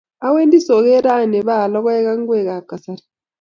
Awendi soget raini ipaal logoek ak ingwek ap kasari